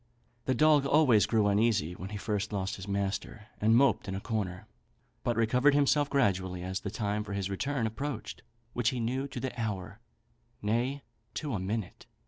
The dog always grew uneasy when he first lost his master, and moped in a corner, but recovered himself gradually as the time for his return approached; which he knew to an hour, nay, to a minute.